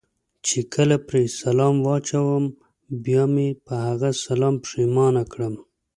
چې کله پرې سلام واچوم بیا مې په هغه سلام پښېمانه کړم.